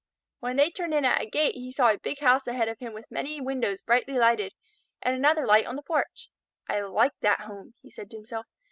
When they turned in at a gate he saw a big house ahead of him with many windows brightly lighted and another light on the porch. "I like that home," he said to himself.